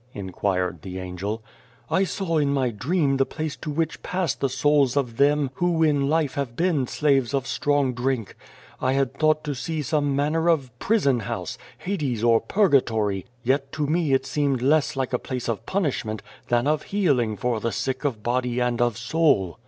inquired the Angel. " I saw in my dream the place to which pass the souls of them who in life have been slaves of strong drink. I had thought to see some manner of prison house, Hades or Purgatory, yet to me it seemed less like a place of punish ment than of healing for the sick of body and of soul.